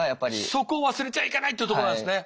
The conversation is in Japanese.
そこを忘れちゃいけないってとこなんですね。